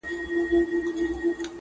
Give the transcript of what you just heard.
دوى به يو پر بل كوله گوزارونه،